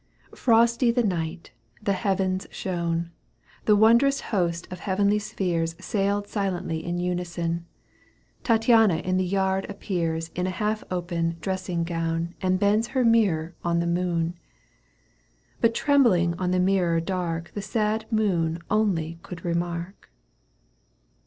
Frosty the night ; the heavens shone ; The wondrous host of heavenly spheres Sailed silently in unison — Tattiana in the yard appears In a half open dressing gown And bends her mirror on the moon, But trembling on the mirror dark The sad moon only could remark.